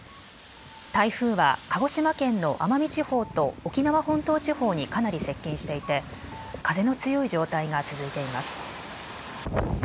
台風は鹿児島県の奄美地方と沖縄本島地方にかなり接近していて風の強い状態が続いています。